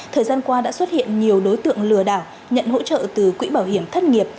thời gian qua đã xuất hiện nhiều đối tượng lừa đảo nhận hỗ trợ từ quỹ bảo hiểm thất nghiệp